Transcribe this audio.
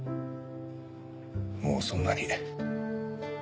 もうそんなに。